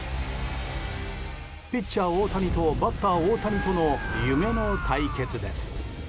ピッチャー大谷とバッター大谷との夢の対決です。